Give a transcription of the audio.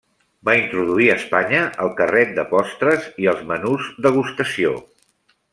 Va introduir a Espanya el carret de postres i els menús degustació.